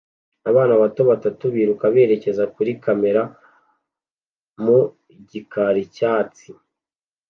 Abana bato batatu biruka berekeza kuri kamera mu gikari cyatsi